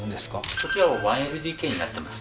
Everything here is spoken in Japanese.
そちらは１ＬＤＫになってます